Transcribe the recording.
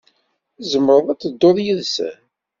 Tzemreḍ ad tedduḍ yid-sen.